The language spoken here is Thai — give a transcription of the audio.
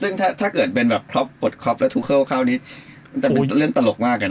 ซึ่งถ้าเกิดเป็นวันนี้จะเป็นเรื่องตลกมาก